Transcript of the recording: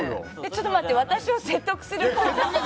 ちょっと待って私を説得するコーナー？